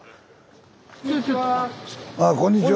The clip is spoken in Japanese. あこんにちは。